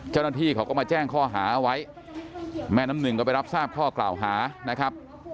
เจ้าหน้าที่เขาก็มาแจ้งข้อหาเอาไว้แม่น้ำหนึ่งก็ไปรับทราบข้อกล่าวหานะครับ